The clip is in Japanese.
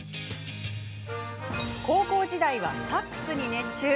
高校時代はサックスに熱中。